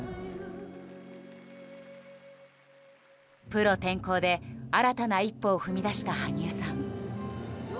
プロ転向で新たな一歩を踏み出した、羽生さん。